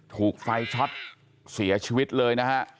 ถูกไฟช็อตเสียชีวิตเลยนะฮะ